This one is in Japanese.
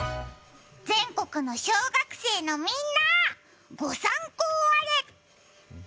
全国の小学生のみんな、ご参考あれ。